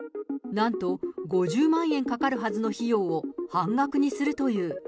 なんと、５０万円かかるはずの費用を半額にするという。